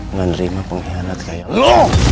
ngerima pengkhianat kayak lo